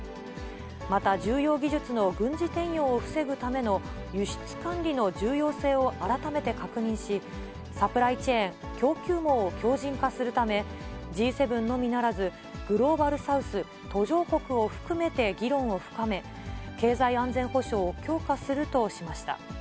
また重要技術の軍事転用を防ぐための輸出管理の重要性を改めて確認し、サプライチェーン・供給網を強じん化するため、Ｇ７のみならず、グローバルサウス・途上国を含めて議論を深め、経済安全保障を強化するとしました。